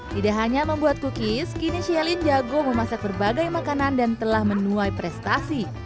tidak hanya membuat cookies kini shelin jago memasak berbagai makanan dan telah menuai prestasi